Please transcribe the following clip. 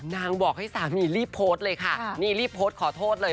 บอกให้สามีรีบโพสต์เลยค่ะนี่รีบโพสต์ขอโทษเลย